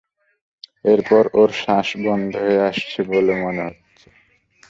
এরপর ওর শ্বাস বন্ধ হয়ে আসছে মনে হচ্ছে।